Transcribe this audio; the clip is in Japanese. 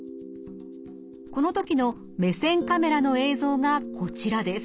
このときの目線カメラの映像がこちらです。